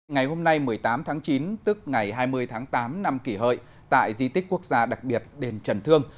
ngày hôm nay một mươi tám tháng chín tức ngày hai mươi tháng tám năm kỷ hợi tại di tích quốc gia đặc biệt đền trần thương